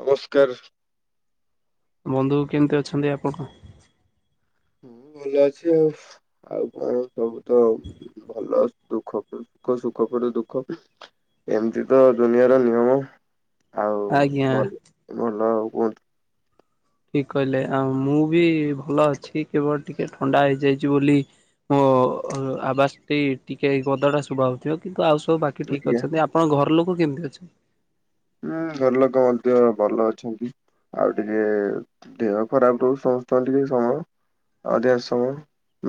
ନମସ୍କାର। ବନ୍ଧୁ କେମିତି ଅଛନ୍ତି ଆପଣ? ହୁଁ ଭଲ ଅଛି ଆଉ। ଆଉ କଣ ସବୁ ତ ଭଲ। ଦୁଃଖ ପରେ ସୁଖ ପରେ ଦୁଃଖ। ଏମିତି ତ ଦୁନିଆର ନିୟମ। ଆଉ ଆଜ୍ଞା। ଭଲ ଭଲ ଆଉ କୁହନ୍ତୁ। ଠିକ୍ କହିଲେ ଆଉ ମୁଁ ବି ଭଲ ଅଛି କେବଳ ଟିକେ ଥଣ୍ଡା ହେଇଯାଇଛି ବୋଲି। ମୋ ଆବାଜ ଟି ଟିକେ ଗଦଟା ଶୁଭା ହଉଥିବ କିନ୍ତୁ ଆଉ ସବୁ ବାକି ଠିକ୍ ଆଜ୍ଞା ଅଛନ୍ତି ଆପଣଙ୍କ ଘର ଲୋକ କେମିତି ଅଛନ୍ତି? ଉଁ। ଘର ଲୋକ ମଧ୍ୟ ଭଲ ଅଛନ୍ତି। ଆଉ ଟିକେ ଦେହ ଖରାପ ରହୁଚି ସମସ୍ତଙ୍କ ଟିକେ ସମୟ। ଅଧିକାଂସ ସମୟ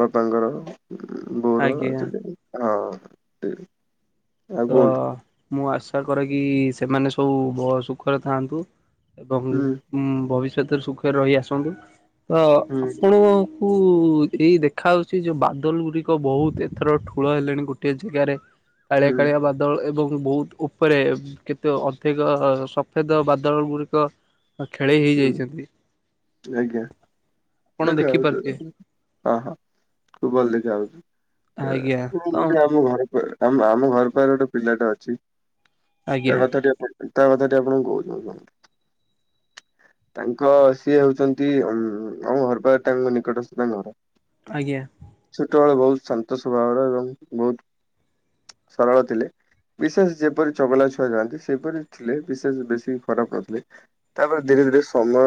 ବାପାଙ୍କର। ବୋଡ ଆଜ୍ଞା। ଅଛି ତ ହିଁ [unintelligible] ତ ମୁଁ ଆଶା କରେ କି ସେମାନେ ସବୁ ଭ ସୁଖରେ ଥାଆନ୍ତୁ। ଏବଂ ହୁଁ ଭବିଷ୍ୟତରେ ସୁଖରେ ରହି ଆସନ୍ତୁ ତ ହୁଁ ଆପଣ କୁ ଏଇ ଦେଖା ହେଉଛି ଯୋଉ ବାଦଲ ଗୁଡ଼ିକ ବହୁତ ଏଥର ଠୁଳ ହେଲେଣି ଗୋଟିଏ ଜାଗାରେ। ଆରେ ହୁଁ କାଳିଆ ବାଦଳ ଏବଂ ବହୁତ ଉପରେ ଅଛି। କେତେ ଅଧିକ ସଫେଦ ବାଦଲ ଗୁଡିକ ଖେଳେଇ ହୁଁ ହେଇଯାଇଛନ୍ତି। ଆଜ୍ଞା ଆପଣ ଦେଖା ଦେଖିପାରୁଥିବେ ଯାଉଛି ହଁ, ହଁ ଭଲ ଦେଖାଯାଉଛି ୟେ ଆଜ୍ଞା ତ ଆଶୁନ ଗୋଟେ ଆମ ଘରେ ଆମ ଆମ ଘର ପାଖରେ ଗୋଟେ ପିଲାଟା ଅଛି ଆଜ୍ଞା ତା କଥା ଟିକେ ତା କଥା ଟିକେ ଆପଣ କୁହନ୍ତୁ। ତାଙ୍କ ସିଏ ହଉଛନ୍ତି ଆମ ଘର ପାଖ ତାଙ୍କ ନିକଟସ୍ଥ ତାଙ୍କ ଘର। ଆଜ୍ଞା। ଛୋଟବେଳେ ବହୁତ ଶାନ୍ତ ସ୍ଵଭାବର ଏବଂ ବହୁତ ସରଳ ଥିଲେ। ବିଶେଷ ଯେପରି ଚଗଲା ଛୁଆ ଯାଆନ୍ତି ସେପରି ଥିଲେ। ବିଶେଷ ବେଶୀ ଖରାପ ନଥିଲେ। ତା ପରେ ଧୀରେ ଧୀରେ ସମୟ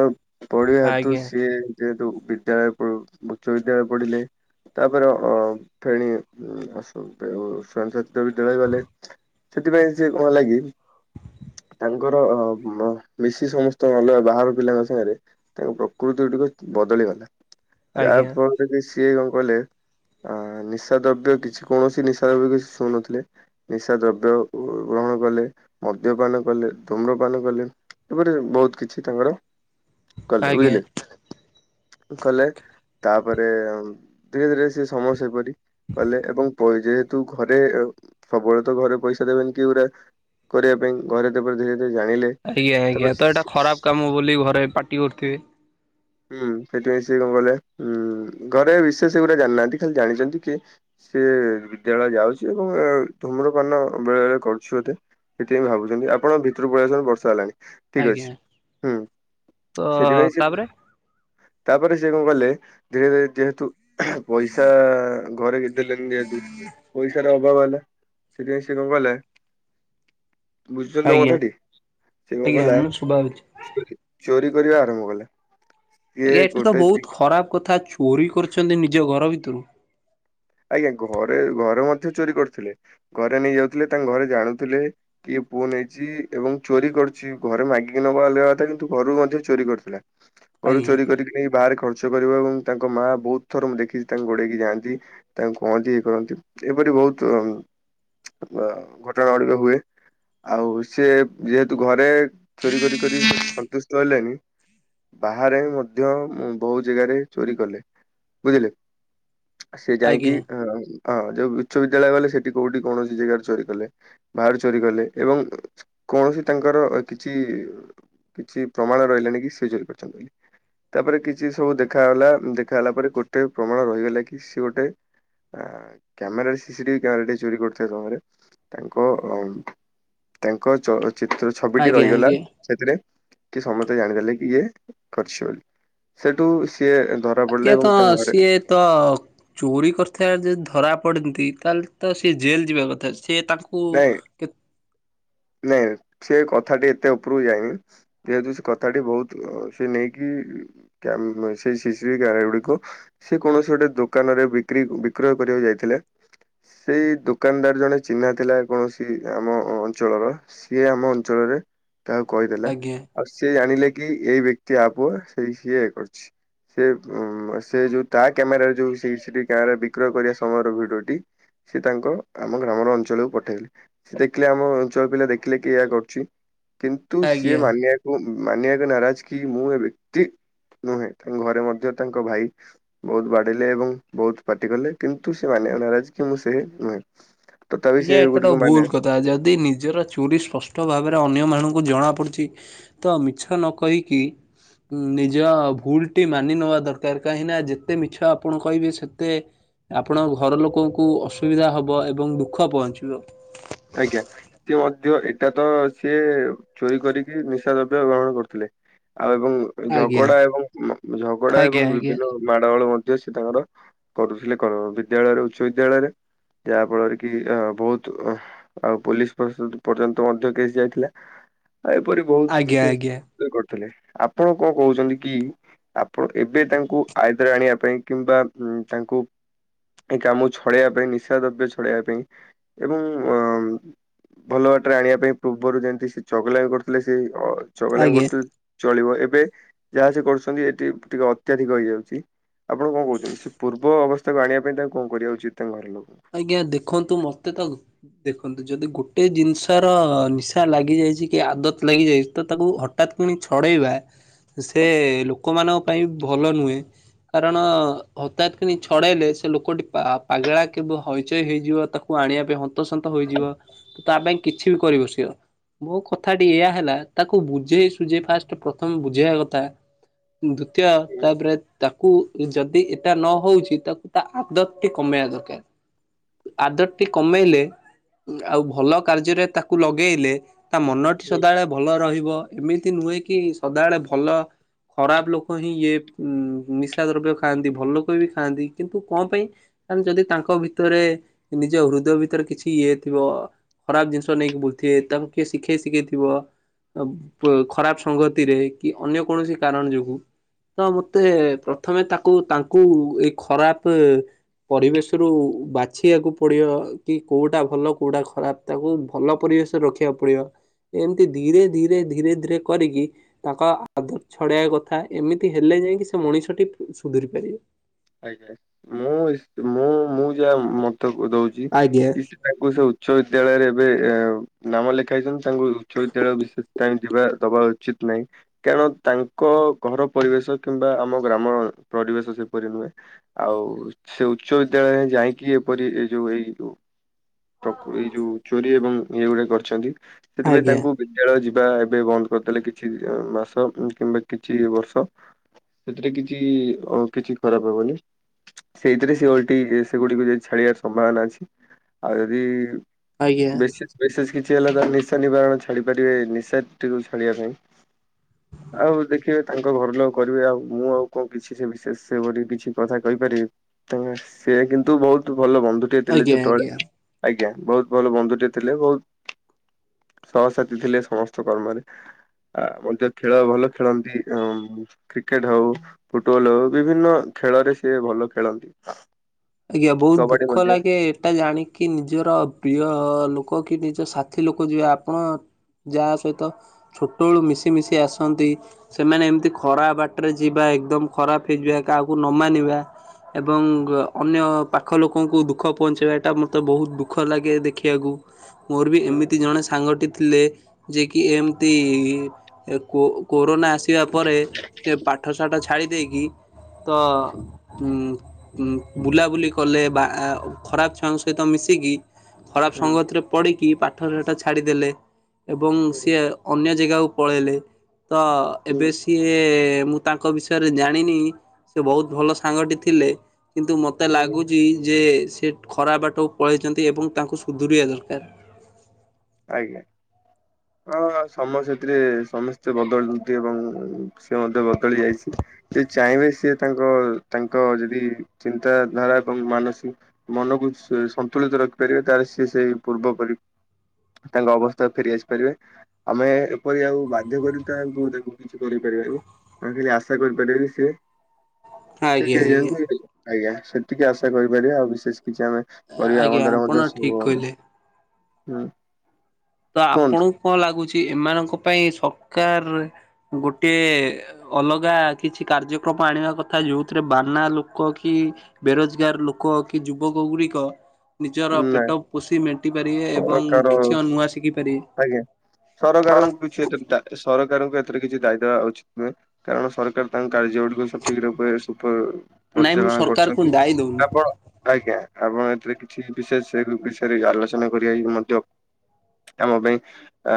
ପଡିବା ହେତୁ ଆଜ୍ଞା ସିଏ ଯେହେତୁ ପ ବିଦ୍ୟାଳୟ ଉଚ୍ଚ ବିଦ୍ୟାଳୟ ପଢିଲେ। ତା ପରେ ଅ ଫେଣି ଅସ ଓ ସ୍ଵୟଂ ଶାସିତ ବିଦ୍ୟାଳୟ ଗଲେ। ସେଥିପାଇଁ ସେ କଣ ହେଲା କି? ତାଙ୍କର ମିଶି ସମସ୍ତ ଅଲଗା ବାହାର ପିଲାଙ୍କ ସାଙ୍ଗରେ ତାଙ୍କ ପ୍ରକୃତି ଗୋଟିକ ବଦଳିଗଲା। ଆଜ୍ଞା ଆଜ୍ଞା ଯାହା ଫଳ ବାକି ସିଏ କଣ କଲେ ଆ ନିଶା ଦ୍ରବ୍ୟ କିଛି କୌଣସି ନିଶା ଦ୍ରବ୍ୟ କିଛି ଚ୍ଛୁଁ ନଥିଲେ। ନିଶା ଦ୍ରବ୍ୟ ଗ୍ରହଣ କଲେ ମଦ୍ୟପାନ କଲେ, ତମ୍ରପାନ କଲେ। ତା ପରେ ବହୁତ କିଛି ତାଙ୍କର କଲେ। ଆଜ୍ଞା। ବୁଝିଲେ? କଲେ ତାପରେ ଧୀରେ ଧୀରେ ସେ ସମୟ ସେପରି କଲେ ଏବଂ ପଇ ଯେହେତୁ ଘରେ ସବୁବେଳେ ତ ଘରେ ପଇସା ଦେବେନି କି ଏ ଗୁରା କରିବା ପାଇଁ ଘରେ ତା ପରେ ଧୀରେ ଧୀରେ ଜାଣିଲେ। ଆଜ୍ଞା ଆଜ୍ଞା ତ ଏଇଟା ତାପରେ ଖରାପ କାମ ବୋଲି ଘରେ ପାଟି କରୁଥିବେ। ହୁଁ ସେଥିପାଇଁ ସିଏ କଣ କଲେ। ଘରେ ବିଶେଷ ଏଗୁରା ଜାଣି ନାହାନ୍ତି ଖାଲି ଜାଣିଛନ୍ତି କି ସିଏ ବିଦ୍ୟାଳୟ ଯାଉଚି ଏବଂ ଧୁମ୍ରପାନ ବେଳେ ବଳେ କରୁଛି ବୋଧେ। ସେଥିପାଇଁ ଭାବୁଚନ୍ତି ଆପଣ ଭିତରକୁ ପଳେଇ ଆସନ୍ତୁ ବର୍ଷା ହେଲାଣି। ଠିକ ଅଛି ଆଜ୍ଞା ହୁଁ ତ ସେଥିପାଇଁ ସେ ତା ପରେ ତାପରେ ସେ କଣ କଲେ ଧୀରେ ଧୀରେ ଯେହେତୁ ପଇସା ଘରେ ଦେଲେନି ଯେହେତୁ ପଇସାର ଅଭାବ ହେଲା ସେଥିପାଇଁ ସେ କଣ କଲେ? ବୁଝୁଚନ୍ତି ତ ମୋ କଥାଟି ସେ କଣ କଲା ବାରୁଚି। ଚୋରି କରିବା ଆରମ୍ଭ କଲା। ଆଜ୍ଞା ସିଏ ଏଠି ତ ଗୋଟେ ବହୁତ ଖରାପ କଥା ଚୋରି କରୁଛନ୍ତି ନିଜ ଘର ଭିତରୁ? ଆଜ୍ଞା ଘରେ ଘରେ ମଧ୍ୟ ଚୋରି କରୁଥିଲେ ଘରେ ନେଇ ଯାଉଥିଲେ ତାଙ୍କ ଘରେ ଜାଣୁଥିଲେ। କିଏ ପୁଅ ନେଇଚି ଏବଂ ଚୋରି କରୁଚି ଘରେ ମାଗିକି ନବା ଅଲଗା କଥା କିନ୍ତୁ ଘରୁ ମଧ୍ୟ ଚୋରି କରିୁଥିଲା। [unintelligible] ଘରୁ ଆଜ୍ଞା। ଚୋରି କରିକି ନେଇ ବାହାରେ ଖର୍ଚ୍ଚ କରିବ ଏବଂ ତାଙ୍କ ମା ବହୁତ ଥର ଦେଖିକି ତାଙ୍କୁ ଗୋଡେଇକି ଯାଆନ୍ତି। ତାଙ୍କୁ କହନ୍ତି ଇଏ କରନ୍ତି ଏପରି ବହୁତ ଅ ଘଟଣା ଗୁଡିକ ହୁଏ। ଆଉ ସିଏ ଯେହେତୁ ଘରେ ଚୋରି କରି କରି ସନ୍ତୁଷ୍ଟ ହେଲେନି। ବାହାରେ ମଧ୍ୟ ବହୁ ଜାଗାରେ ଚୋରି କଲେ। ବୁଝିଲେ? ସେ ଯାଇଁକି ଆଜ୍ଞା ହଁ ହଁ ଯୋଉ ଉଚ୍ଚ ବିିଦ୍ୟାଳୟ ଗଲେ ସେଠି କୋଉଠି କୌଣସି ଜାଗାରେ ଚୋରି କଲେ। ବାହାରୁ ଚୋରି କଲେ ଏବଂ କୌଣସି ତାଙ୍କର କିଛି କିଛି ପ୍ରମାଣ ରହିଲାନି କି ସିଏ ଚୋରି କରିଛନ୍ତି। ତା ପରେ କିଛି ସବୁ ଦେଖାଗଲା ଦେଖା ଗଲା ପରେ ଗୋଟେ ପ୍ରମାଣ ରହିଗଲା କି ସିଏ ଗୋଟେ ଆଁ କ୍ୟାମେରାରେ C C T V camera ଟେ ଚୋରି କରୁଥିବା ସମୟରେ ତାଙ୍କ ଅ ଉଁ ତାଙ୍କ ଚ ଚିତ୍ର ଛବିଟି ଆଜ୍ଞା ରହିଗଲା। ଆଜ୍ଞା ସେଥିରେ କି ସମସ୍ତେ ଜାଣିଦେଲେ କି ଇଏ କରିଚି ବୋଲି। ସେଠୁ ସିଏ ଧର ଆଜ୍ଞା ତ ସିଏ ତ ଚୋରି କରିଥିଲା ଯିଏ ଧରା ପଡନ୍ତି। ତାହେଲେ ତ ସିଏ ଜେଲ ଯିବା କଥା ସିଏ ତା ନାଇଁ। କେତ୍ ନାଇଁ ସେ କଥାଟି ଏତେ ଉପରକୁ ଯାଇନି। ଯେହେତୁ ସେ କଥାଟି ଅ ବହୁତ ସେ ନେଇକି କ୍ୟାମ୍ ସେଇ C C T V camera ଗୁଡ଼ିକ ସେ କୌଣସି ଗୋଟେ ଦୋକାନ ରେ ବିକ୍ରି ବିକ୍ରୟ କରିବାକୁ ଯାଇଥିଲେ। ସେଇ ଦୋକାନଦାର ଜଣେ ଚିହ୍ନା ଥିଲା କୌଣସି ଆମ ଅଞ୍ଚଳର ସିଏ ଆମ ଅଞ୍ଚଳରେ କାହାକୁ କହିଦେଲା। ଆଜ୍ଞା ଆଉ ସ ସେ ଜଣିଲେ କି ଏଇ ବ୍ୟକ୍ତି ଆ ପୁଅ ସେଇ ସିଏ ଏ କରଛି। ସେ ଉ ସେ ଯୋଉ ତା କ୍ୟାମେର ରେ ଯୋଉ କ୍ୟାମେରା ବିକ୍ରୟ କରିବା ସମୟର ଭିଡିଓଟି ସେ ତାଙ୍କ ଆମ ଗ୍ରାମର ଅଞ୍ଚଳ ପଠେଇଲେ ସେ ଦେଖିଲେ ଆମ ଅଞ୍ଚଳ ପିଲା ଦେଖିଲେ କି ଏୟା କରୁଛି କିନ୍ତୁ ସିଏ ଆଜ୍ଞା। ମାନି ମାନିବାକୁ ନାରାଜ କି ମୁଁ ଏ ବ୍ୟକ୍ତି ନୁହେଁ ତାଙ୍କ ଘରେ ମଧ୍ୟ ତାଙ୍କ ଭାଇ। ବହୁତ ବାଡେଇଲେ ଏବଂ ବହୁତ ପାଟି କଲେ କିନ୍ତୁ ସେ ମାନିବା କୁ ନାରାଜ କି ମୁଁ ସେ ନୁହେଁ। ତ ଆଜ୍ଞା ଏଟାତ ଭୁଲ କଥା ଯଦି ନିଜର ଚୋରି ସ୍ପଷ୍ଟ ଭାବରେ ଅନ୍ୟ ମାନଙ୍କୁ ଜଣା ପଡୁଛି। ତ ମିଛ ନ କହିକି। ନିଜ ଭୁଲ ଟି ମାନି ନବା ଦରକାର କାହିଁକି ନା ଯେତେ ମିଛ ଆପଣ କହିବେ ସେତେ। ଆପଣଙ୍କ ଘର ଲୋକଙ୍କୁ ଅସୁବିଧା ହେବ ଏବଂ ଦୁଃଖ ପହଞ୍ଚିବ। ଆଜ୍ଞା। ସେ ମଧ୍ୟ ଏଇଟା ତ ସିଏ ଚୋରି କରିକି ନିଶା ଦ୍ରବ୍ୟ ଗ୍ରହଣ କରୁଥିଲେ। ଆଉ ଏବଂ ଆଜ୍ଞା ଝଗଡା ଏବଂ ଝଗଡା ଆଜ୍ଞା ଏବଂ ଆଜ୍ଞା ବିଭିନ୍ନ। ମାଡ଼ଗୋଳ ମଧ୍ୟ ସେ ତାଙ୍କର କରୁଥିଲେ କର ବିଦ୍ୟାଳୟରେ ଉଚ୍ଚ ବିଦ୍ୟାଳୟରେ। ଯାହା ଫଳରେ କି ଅ ବହୁତ ଅ ଆଉ ପୋଲିସ ପ୍ରସ ପର୍ଯ୍ୟନ୍ତ ମଧ୍ୟ କେସ୍ ଯାଇଥିଲା ଆଉ ଏପରି ବହୁତ ଆଜ୍ଞା ବିଶେଷ। ଆଜ୍ଞା କରିଥିଲେ ଆପଣ କଣ କହୁଛନ୍ତି କି ଆପଣ ଏବେ ତାଙ୍କୁ ଆଏଦରେ ଆଣିବା ପାଇଁ କିମ୍ବା ତାଙ୍କୁ ଏ କାମକୁ ଛଡେଇବା ପାଇଁ ନିଶା ଦ୍ରବ୍ୟ ଛଡେଇବା ପାଇଁ ଏବଂ। ଅ ଭଲ ବାଟରେ ଆଣିବା ପାଇଁ ପୂର୍ବରୁ ଯେମତି ସେ ଚଗଲା ବି କରୁଥିଲେ ସେ ଚଳିବ ଆଜ୍ଞା ଚଳିବ ଏବେ ଯାହା ସେ କରୁଛନ୍ତି ଏଠି ଟିକେ ଅତ୍ୟାଧିକ ହେଇଯାଉଛି। ଆପଣ କଣ କହୁଛନ୍ତି ସେ ପୂର୍ବ ଅବସ୍ଥାକୁ ଆଣିବା ପାଇଁ ତାଙ୍କୁ କଣ କରିବା ଉଚିତ ତାଙ୍କ ଘର ଲୋକଙ୍କୁ। ଆଜ୍ଞା ଦେଖନ୍ତୁ ମତେ ତା ଦେଖନ୍ତୁ ଯଦି ଗୋଟେ ଜିନିଷ ର ନିଶା ଲାଗି ଯାଇଛି କି ଆଦତ ଲାଗି ଯାଇଛି ତ ତାକୁ ହ ହଠାତ୍ ପୁଣି ଛଡ଼େଇବା ସେ ଲୋକମାନଙ୍କ ପାଇଁ ଭଲ ନୁହେଁ। କାରଣ ହଠାତ୍ କିଣି ଛଡେଇଲେ ସେ ଲୋକଟି ପା ପାଗେଳା କେବେ ହଇଚଇ ହେଇଯିବ ତାକୁ ଆଣିବା ପାଇଁ ହନ୍ତସନ୍ତ ହୋଇଯିବ ତ ତା ପାଇଁ କିଛି ବି କରି ବସିବ। ମୋ କଥାଟି ଏଇଆ ହେଲା ତାକୁ ବୁଝେଇ ସୁଝେଇ ଫାଷ୍ଟ ପ୍ରଥମ ବୁଝେଇବା କଥା। ଦ୍ଵିତୀୟ ତାପରେ ତାକୁ ଯଦି ଏଟା ନ ହଉଛି ତାକୁ ତା ଆଦତ୍ ଟି କମେଇବା ଦରକାର। ଆଦତ୍ ଟି କମେଇଲେ ଆଉ ଭଲ କାର୍ଯ୍ୟରେ ତାକୁ ଲଗେଇଲେ। ତା ମନଟି ସଦାବେଳେ ଭଲ ରହିବ ଏମିତି ନୁହେଁ କି ସଦାବେଳେ ଭଲ। ଖରାପ ଲୋକ ହିଁ ଇଏ ନିଶା ଦ୍ରବ୍ୟ ଖାଆନ୍ତି ଭଲଲୋକ ବି ଖାଆନ୍ତି କିନ୍ତୁ କଣ ପାଇଁ। ଆରେ ଯଦି ତାଙ୍କ ଭିତରେ ନିଜ ହୃଦୟ ଭିତରେ କିଛି ଇଏ ଥିବ। ଖରାପ ଜିନିଷ ନେଇକି ବୁଲୁଥିବେ ତାଙ୍କୁ କିଏ ଶିଖେଇ ଶିଖେଇଥିବ। ଖରାପ ସଂଗତିରେ କି ଅନ୍ୟ କୌଣସି କାରଣ ଯୋଗୁଁ। ତ ମତେ ପ୍ରଥମେ ତାକୁ ତାଙ୍କୁ ଏଇ ଖରାପ ପରିବେଶ୍ ସେଥିରୁ ବାଛିବାକୁ ପଡିବ କି କୋଉଟା ଭଲ କୋଉଟା ଖରାପ ତାକୁ ଭଲ ପରିବେଶ। ରଖିବାକୁ ପଡିବ ଏମିତି ଧୀରେ ଧୀରେ ଧୀରେ ଧୀରେ କରିକି। ତାଙ୍କ ଆଦତ ଛଡେଇବା କଥା ଏମିତି ହେଲେ ଯାଇକି ସେ ମଣିଷଟି ସୁଧୁରି ପାରିବେ। ଆଜ୍ଞା ମୁଁ ମୁଁ ମୁଁ ଯାହା ମତ ଦଉଛି ଆଜ୍ଞା କି ତାଙ୍କୁ ସେ ଉଚ୍ଚ ବିଦ୍ୟାଳୟରେ ଏବେ ନାମ ଲେଖାଇଥାନ୍ତୁ ତାଙ୍କୁ ଉଚ୍ଚ ବିଦ୍ୟାଳୟ ବିଶେଷ ଟାଇମ୍ ଯିବା ଦବା ଉଚିତ୍ ନାହିଁ। କାରଣ ତାଙ୍କ ଘର ପରିବେଶ କିମ୍ବା ଆମ ଗ୍ରାମର ପରିବେଶ ସେ ପରି ନୁହେଁ ଆଉ ସେ ଉଚ୍ଚ ବିଦ୍ୟାଳୟରେ ଯାଇଁକି ଏପରି ଏ ଯୋଉ ଏଇ ପ୍ରକ ଏଇ ଯୋଉ ଚୋରି ଏବଂ ଇଏ ଗୁଡା କରିଛନ୍ତି ସେଥିପାଇଁ ଆଜ୍ଞା ତାଙ୍କୁ ବିଦ୍ୟାଳୟ ଯିବା ଏବେ ବନ୍ଦ କରିଦେଲେ କିଛି ମାସ କିମ୍ବା କିଛି ବର୍ଷ। ସେଥିରେ କିଛି କିଛି ଖରାପ ହବନି। ସେଇଥିରେ ସେ ଓଲଟି ସେଗୁଡିକୁ ଯଦି ଛାଡିବାର ସମ୍ଭାବନା ଅଛି ଆଉ ଯଦି। ଆଜ୍ଞା ବେଶି ବିଶେଷ କିଛି ହେଲା ତ ନିଶା ନିବାରଣ ଛାଡି ପାରିବେ ନିଶାଟିକୁୁ ଛଡେଇବା ପାଇଁ ଆଉ ଦେଖିବେ ତାଙ୍କ ଘର ଲୋକ କରିବେ ଆଉ ମୁଁ ଆଉ କଣ କିଛି ସେ ବିଶେଷ ସେପରି କିଛି କଥା କହିପାରିବି ତ ସେ କିନ୍ତୁ ବହୁତ ଭଲ ବନ୍ଧୁ। ଟିଏ ଥିଲି ଆଜ୍ଞା ଆଜ୍ଞା। ଛୋଟବେଳେ ଆଜ୍ଞା ବହୁତ ଭଲ ବନ୍ଧୁଟିଏ ଥିଲେ ବହୁତ ସହସାଥି ଥିଲେ ସମସ୍ତ କର୍ମରେ। ଆ ମଧ୍ୟ ଖେଳ ଭଲ ଖେଳନ୍ତି କ୍ରିକେଟ ହଉ ଫୁଟବଲ ହଉ। ବିଭିନ୍ନ ଖେଳରେ ସିଏ ଭଲ ଖେଳନ୍ତି। ଆଜ୍ଞା ବହୁତ କବାଡି ଦୁଃଖ ମଧ୍ୟ ଲାଗେ ଏଟା ଜାଣି କି ନିଜର ପ୍ରିୟ ଲୋକ କି ନିଜ ସାଥି ଲୋକ ଯିବେ ଆପଣ ଯାହା ସହିତ ଛୋଟବେଳୁ ମିଶିମିଶି ଆସନ୍ତି ସେମାନେ ଏମିତି ଖରାପ ବାଟରେ ଯିବା ଏକଦମ୍ ଖରାପ ହେଇଯିବା କାହାକୁ ନ ମାନିବା ଏବଂ ଅନ୍ୟ ପାଖ ଲୋକଙ୍କୁ ଦୁଃଖ ପହଞ୍ଚେଇବା ଏଟା ମୋତେ ବହୁତ ଦୁଃଖ ଲାଗେ ଦେଖିବାକୁ। ମୋର ବି ହୁଁ ଏମିତି ଜଣେ ସାଙ୍ଗଟି ଥିଲେ ଯିଏ କି ଏମିତି ଏ କୋ କୋରୋନା ଆସିବା ପରେ ଏ ପାଠ ଶାଠ ଛାଡ଼ି ଦେଇକି ତ ହୁଁ ଉଁ ବୁଲାବୁଲି କଲେ ବା ଖରାପ ଛୁଆଙ୍କ ସହିତ ମିଶିକି ଖରାପ ହୁଁ ସଙ୍ଗତ ରେ ପଢ଼ିକି ପାଠ ସାଠ ଛାଡ଼ିଦେଲେ ଏବଂ ହୁଁ ସିଏ ଅନ୍ୟ ଜେଗାକୁ ପଳେଇଲେ ତ ହୁଁ ଏବେ ସିଏ ମୁଁ ତାଙ୍କ ବିଷୟରେ ଜାଣିନି ସେ ବହୁତ ଭଲ ସାଙ୍ଗଟି ଥିଲେ। କିନ୍ତୁ ମୋତେ ଲାଗୁଛି ଯେ ସେ ଖରାପ ବାଟକୁ ପଳେଇଛନ୍ତି ଏବଂ ତାଙ୍କୁ ସୁଧୁରିବା ଦରକାର। ଆଜ୍ଞା ହଁ ସମୟ ସେଥିରେ ସମସ୍ତେ ବଦଳନ୍ତି ଏବଂ ସେ ମଧ୍ୟ ବଦଳି ଯାଇଛିି‌ି ଚାହିଁବେ ସିଏ ତାଙ୍କ ତାଙ୍କ ଯଦି ଚିନ୍ତାଧାରା ଏବଂ ମାନସିକ ମନକୁ ସନ୍ତୁଳିତ ରଖିପାରିବେ ତାହେଲେ ସିଏ ସେଇ ପୂର୍ବପରି ତାଙ୍କ ଅବସ୍ଥା ଫେରି ଆସିପାରିବେ। ଆମେ ଏପରି ଆଉ ବାଧ୍ୟ କରି ତାଙ୍କୁ ତାକୁ କିଛି କରିପାରିବାନି। ଆଉ ଖଳୀ ଆଶା କରିପାରିବା ଯେ ସେ ଠିକ୍ ଆଜ୍ଞା ଆଜ୍ଞା ହେଇଯାଆନ୍ତୁ ଆଜ୍ଞା ସେତିକି ଆଶା କରିପାରିବା ଆଉ ବିଶେଷ କିଛି ଆମେ ପରିବା ଆଜ୍ଞା ମନ୍ଦରେ ଆପଣ ମଧ୍ୟ ସବୁ ଠିକ ଗଲାଣି କହିଲେ। ହୁଁ। ତ କୁହନ୍ତୁ ଆପଣଙ୍କୁ କଣ ଲାଗୁଛି ଏମାନଙ୍କ ପାଇଁ ସକାର ଗୋଟିଏ ଅଲଗା କିଛି କାର୍ଯ୍ୟକ୍ରମ ଆଣିବା କଥା ଯୋଉଥିରେ ବାନା ଲୋକ କି ବେରୋଜଗାର ଲୋକ କି ଯୁବକ ଗୁଡିକ। ନିଜର ନାଇଁ ପେଟ ପୋଷି ମେଣ୍ଟି ପାରିବେ ଏବଂ ପ୍ରକାର କିଛି କ ନୂଆ ଶିଖି ପାରିବେ। ଆଜ୍ଞା ସରକାରଙ୍କୁ କିଛି ଏ ସରକାରଙ୍କୁ ଏଥିର କିଛି ଦାୟିତ ଦବା ଉଚିତ ନୁହେଁ। କାରଣ ସରକାର ତାଙ୍କ କାର୍ଯ୍ୟ ଗୁଡକୁ ସଠିକ ରୂପେ ସୁପ ନାଇଁ ମୁଁ ପରିଚାଳନା ସରକାରକୁ କରୁଛନ୍ତି ଦାୟୀ ଦଉନି ଆପଣ ଆଜ୍ଞା ଆପଣ ଏଥିରେ ଠିକ୍ ବିଶେଷ ବିଷୟରେ ଆଲୋଚନା କରିବାଇ ମଧ୍ୟ ଆମ ପାଇଁ ଆ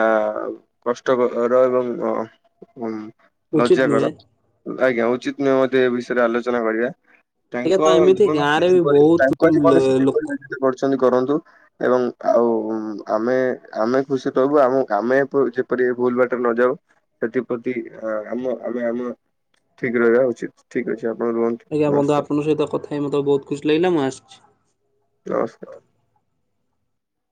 କଷ୍ଟକର ଏବଂ ଉ ଉଚିତ ଲଜ୍ଜା ନୁହେଁ କର ଆଜ୍ଞା ଉଚିତ ନୁହେଁ ମତ ଏ ବିଷୟରେ ଆଲୋଚନା କରିବା। ଆଜ୍ଞା ତ ତାଙ୍କ ଏମିତି ଜୀବନ ଗାଁ ରେ ବି ବହୁତ ତାଙ୍କ ଜୀବନ ଲୋକ ସେପରି କରିଛନ୍ତି କରନ୍ତୁ ଏବଂ ଆଉ ଆମେ ଆମେ ଖୁସି ରହିବୁ ଆ ଆମେ ଯେପରି ଭୁଲ ବାଟରେ ନଯାଉ ସେଥିପ୍ରତି ଆମ ଆମେ ଆମ ଠିକ ରହିବା ଉଚିତ ଠିକ ଅଛି ଆପଣ ରୁହନ୍ତୁ। ଆଜ୍ଞା ବନ୍ଧ ନମସ୍କାର ଆପଙ୍କ ସହିତ କଥା ହେଇ ମତ ବହୁ ଖୁସି ଲାଗିଲା ମୁଁ ଆସିଛି ନମସ୍କାର